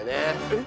えっ？